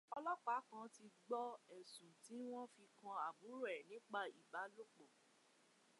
Ọlọ́pàá kan ti gbọ́ ẹ̀sùn ti wọ́n fi kàn àbúrò ẹ̀ nípa ìbálòpọ̀.